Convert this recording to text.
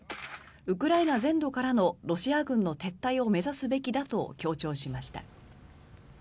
ウクライナ全土からのロシア軍の撤退を目指すべきだと強調しました。